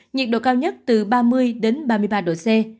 nhiệt độ cao nhất từ ba mươi đến ba mươi ba độ c